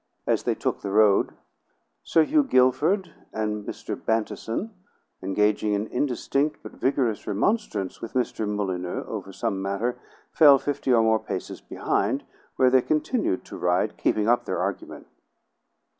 As they took the road, Sir Hugh Guilford and Mr. Bantison, engaging in indistinct but vigorous remonstrance with Mr. Molyneux over some matter, fell fifty or more paces behind, where they continued to ride, keeping up their argument.